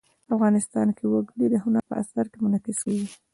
افغانستان کې وګړي د هنر په اثار کې منعکس کېږي.